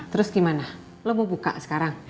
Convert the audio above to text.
terus gimana lo mau buka sekarang